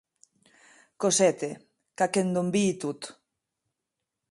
Cosette, qu’ac endonvii tot.